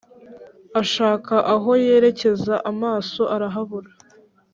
ashaka aho yerekeza amaso arahabura